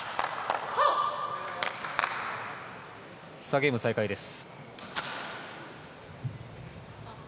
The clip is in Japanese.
ゲーム、再開です。